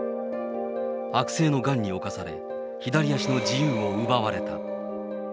悪性のがんに侵され、左足の自由を奪われた。